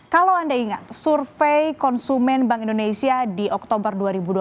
kalau anda ingat survei konsumen bank indonesia di oktober dua ribu dua puluh